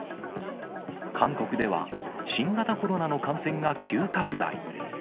韓国では、新型コロナの感染が急拡大。